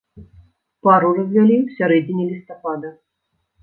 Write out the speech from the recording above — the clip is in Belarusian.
Пару развялі ў сярэдзіне лістапада.